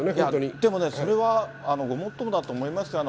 でもそれはごもっともだと思いますよ。